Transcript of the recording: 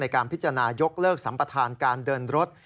การพิจารณายกเลิกสัมประธานการเดินรถ